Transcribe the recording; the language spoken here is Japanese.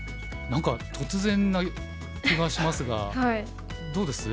何か突然な気がしますがどうです？